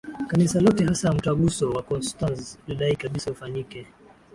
Kanisa lote Hasa Mtaguso wa Konstanz ulidai kabisa ufanyike